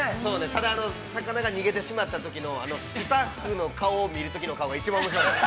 ◆ただ魚が逃げてしまったときの、スタッフの顔を見るときの顔が、一番おもしろかった。